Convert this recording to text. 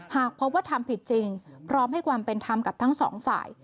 หากพบว่าทำผิดจริงพร้อมให้ความเป็นธรรมกับทั้งสองฝ่าย